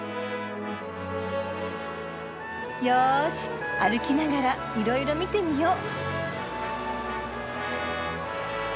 よし歩きながらいろいろ見てみよう。